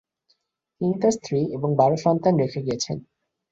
তিনি তাঁর স্ত্রী এবং বারো সন্তান রেখে গেছেন।